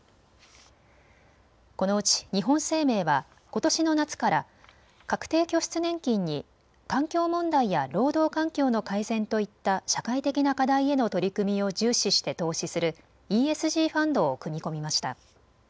このうち日本生命はことしの夏から確定拠出年金に環境問題や労働環境の改善といった社会的な課題への取り組みを重視して投資するＥＳＧファンドを組み込みました。